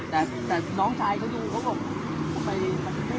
ตอนนี้กำหนังไปคุยของผู้สาวว่ามีคนละตบ